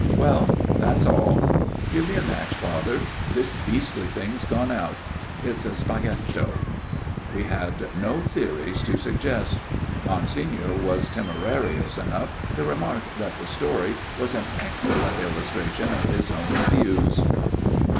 " Well, that's all. Give me a match, Father. This beastly thing's gone out. It's a spaghetto." We had no theories to suggest. Monsignor was temerarious enough to remark that the story was an excellent illustration of his own views.